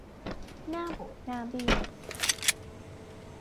หน้าบูดหน้าเบี้ยว